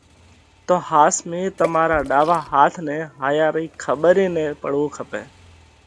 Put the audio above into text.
تو ۿاس ۾ تمارا را ڏاوا هاٿ نئہ هائيا رئِي کٻر ئي نہ پڙوو کپئہ۔